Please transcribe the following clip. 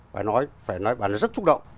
phải nói phải nói bà rất xúc động